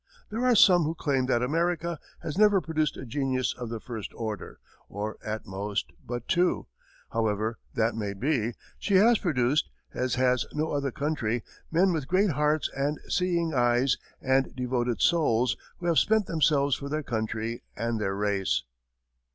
There are some who claim that America has never produced a genius of the first order, or, at most, but two; however that may be, she has produced, as has no other country, men with great hearts and seeing eyes and devoted souls who have spent themselves for their country and their race.